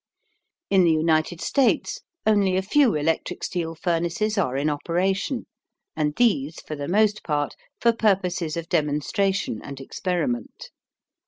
In the United States only a few electric steel furnaces are in operation, and these, for the most part, for purposes of demonstration and experiment.